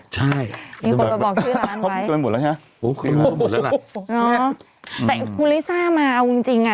ใช่มีคนไปบอกชื่อร้านไหมมันหมดแล้วไงโอ้โหแต่คุณลิซ่ามาเอาจริงจริง